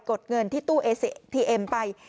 กลุ่มตัวเชียงใหม่